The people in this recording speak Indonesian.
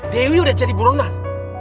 dewi udah jadi burungan